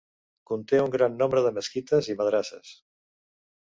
Conté un gran nombre de mesquites i madrasses.